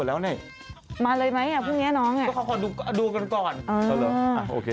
โอเคสวัสดีครับ